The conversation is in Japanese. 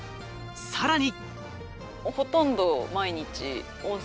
さらに。